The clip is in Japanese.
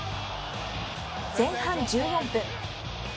前半１４分。